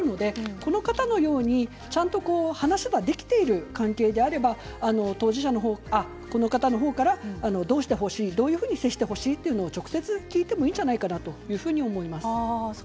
この方のようにちゃんと話ができている関係であればこの方の方から、どういうふうに接してほしい？と直接聞いてみてもいいんじゃないかなと思います。